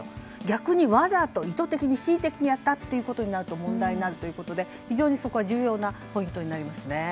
逆に、わざと恣意的にやったということになると問題になるということで非常にそこは重要なポイントになりますね。